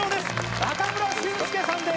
中村俊輔さんです！